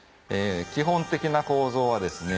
基本的な構造はですね